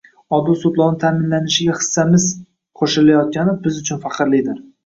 Odil sudlovni ta’minlanishiga hissamiz qo‘shilayotgani biz uchun faxrlidir